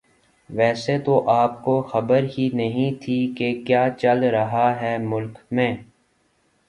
ویسے تو آپ کو خبر ہی نہیں تھی کہ کیا چل رہا ہے ملک میں